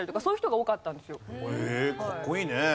へえかっこいいね。